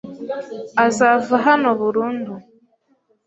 Azava hano burundu.